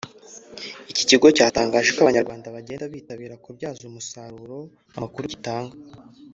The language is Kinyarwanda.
Iki kigo cyatangaje ko Abanyarwanda bagenda bitabira kubyaza umusaruro amakuru gitanga